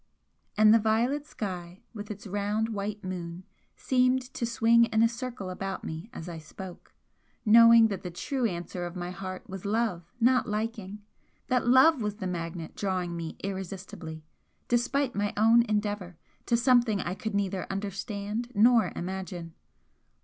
And the violet sky, with its round white moon, seemed to swing in a circle about me as I spoke knowing that the true answer of my heart was love, not liking! that love was the magnet drawing me irresistibly, despite my own endeavour, to something I could neither understand nor imagine.